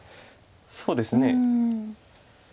そうですね。